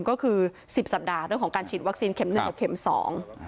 ก็คือสิบสัปดาห์เรื่องของการฉีดวัคซีนเข็มหนึ่งกับเข็มสอง